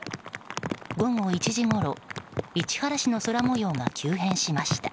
午後１時ごろ市原市の空模様が急変しました。